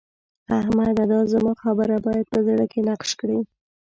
احمده! دا زما خبره بايد په زړه کې نقش کړې.